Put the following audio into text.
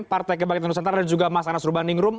partai kebangkitan nusantara dan juga mas anas urbandingrum